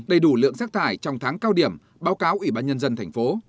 đầy đủ lượng rác thải trong tháng cao điểm báo cáo ủy ban nhân dân thành phố